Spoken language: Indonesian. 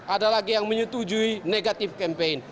ada lagi yang menyetujui negatif campaign